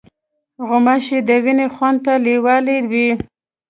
غوماشې د وینې خوند ته لیوالې وي.